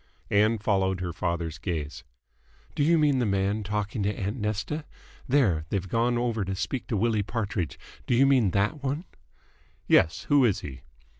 Ann followed her father's gaze. "Do you mean the man talking to aunt Nesta? There, they've gone over to speak to Willie Partridge. Do you mean that one?" "Yes. Who is he?"